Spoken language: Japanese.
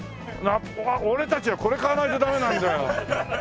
俺たちはこれ買わないとダメなんだよ。